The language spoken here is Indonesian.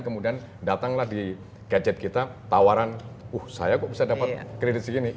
kemudian datanglah di gadget kita tawaran uh saya kok bisa dapat kredit segini